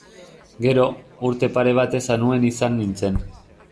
Gero, urte pare batez Anuen izan nintzen.